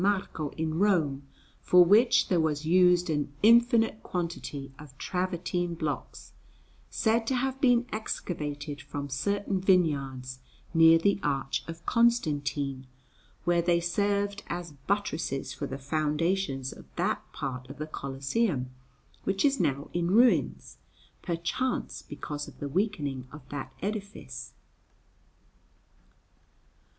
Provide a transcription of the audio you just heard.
Marco in Rome, for which there was used an infinite quantity of travertine blocks, said to have been excavated from certain vineyards near the Arch of Constantine, where they served as buttresses for the foundations of that part of the Colosseum which is now in ruins, perchance because of the weakening of that edifice.